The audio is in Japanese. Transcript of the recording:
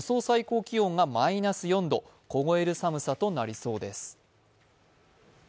最高気温がマイナス４度、凍える寒さとなりそうです。